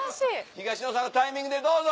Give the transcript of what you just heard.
東野さんのタイミングでどうぞ。